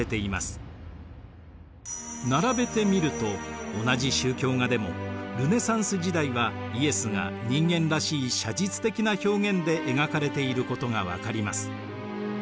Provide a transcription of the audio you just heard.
並べてみると同じ宗教画でもルネサンス時代はイエスが人間らしい写実的な表現で描かれていることが分かります。